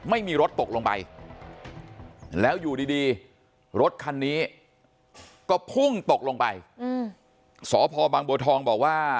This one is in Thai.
ไม่มีรถตกลงไปแล้วอยู่ดีรถคันนี้ก็พุ่งตกลงไปสพบางบัวทองบอกว่า